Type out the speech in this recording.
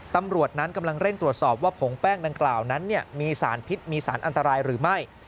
ตำรวจนั้นกำลังเร่งตรวจสอบว่าผงแป้งดังกล่าวนั้นมีสารพิษมีสารอันตรายหรือไม่